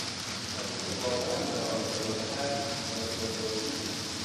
آنچه که واقعا مرا آزار میدهد نمکناشناسی است.